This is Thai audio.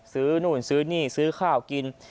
ซื้อนู่นซื้อนี่ซื้อข้าวกิน